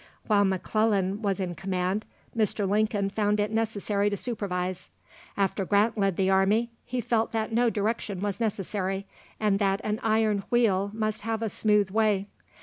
While M'Clellan was in command, Mr. Lincoln found it necessary to supervise; after Grant led the army, he felt that no direction was necessary, and that an iron wheel must have a smooth way.